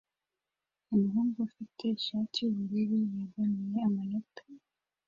Umuhungu ufite ishati yubururu yegamiye amatora